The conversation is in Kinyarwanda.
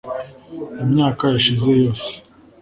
imyaka yashize yose